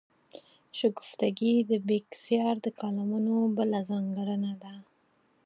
شګفتګي د بېکسیار د کالمونو بله ځانګړنه ده.